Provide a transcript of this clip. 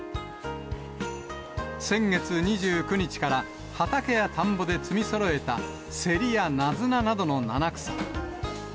先月２９日から、畑や田んぼで摘みそろえたセリやナズナなどの七草。